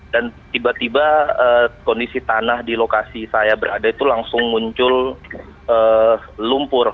dan tiba tiba kondisi tanah di lokasi saya berada itu langsung muncul lumpur